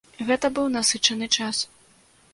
Гэта быў насычаны час.